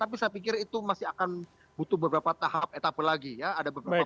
kita pikir itu masih akan butuh beberapa tahap etape lagi ya